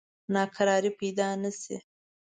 ناکراری پیدا نه شي.